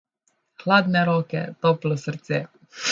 Hladne roke, toplo srce.